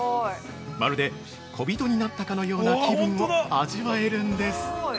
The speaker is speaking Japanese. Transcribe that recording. まるで小人になったかのような気分を味わえるんです。